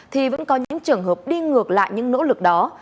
thì vẫn có những trường hợp đi ngược lại những nỗ lực đó